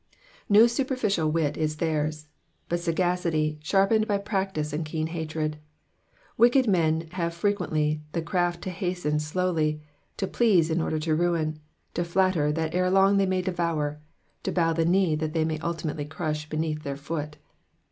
'''' ^o superficial wit is theirs ; but sagacity, sharpened by practice and keen hatied. "Wicked men have frequently the craft to hasten slowly, to please in order to ruin, to flatter that ere long they may devour, to bow the knee that they may ultimately ciush beneath their foot.